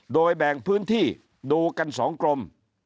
โดยแบ่งพื้นที่ดูกัน๒กรม